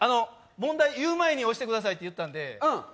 問題言う前に押してくださいって言ったので。